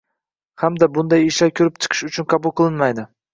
hamda bunday ishlar ko‘rib chiqish uchun qabul qilinmaydi.